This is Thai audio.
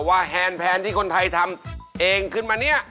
แฮนแพนที่คนไทยทำเองขึ้นมาเนี่ย